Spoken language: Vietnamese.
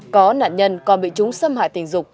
có nạn nhân còn bị chúng xâm hại tình dục